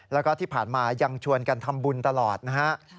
แล้วก็ที่ผ่านมายังชวนกันทำบุญตลอดนะฮะ